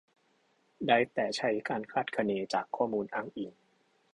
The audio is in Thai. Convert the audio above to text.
ได้แต่ใช้การคาดคะเนจากข้อมูลอ้างอิง